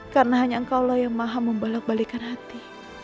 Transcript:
karena hanya engkaulah yang maha membalak balikan hati